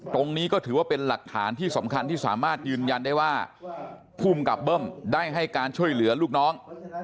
ตรงนี้ก็ถือว่าเป็นหลักฐานที่สำคัญที่สามารถยืนยันได้ว่าภูมิกับเบิ้มได้ให้การช่วยเหลือลูกน้อง